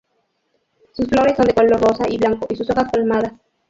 Sus flores son de color rosa y blanco y sus hojas palmadas.